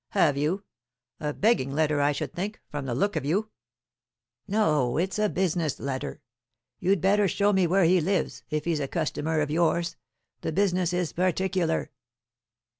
"Have you? A begging letter, I should think, from the look of you." "No; it's a business letter. You'd better show me where he lives, if he's a customer of yours. The business is particular."